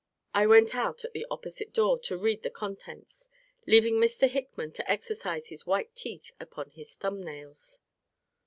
I went out at the opposite door, to read the contents; leaving Mr. Hickman to exercise his white teeth upon his thumb nails.